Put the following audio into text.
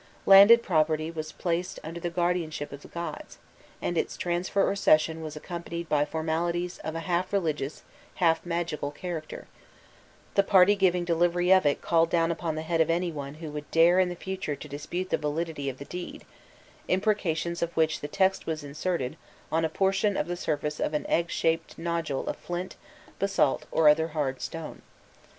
Landed property was placed under the guardianship of the gods, and its transfer or cession was accompanied by formalities of a half religious, half magical character: the party giving delivery of it called down upon the head of any one who would dare in the future to dispute the validity of the deed, imprecations of which the text was inserted on a portion of the surface of an egg shaped nodule of flint, basalt, or other hard stone.